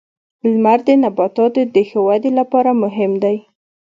• لمر د نباتاتو د ښه ودې لپاره مهم دی.